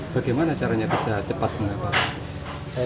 bagaimana caranya bisa cepat mendapatkan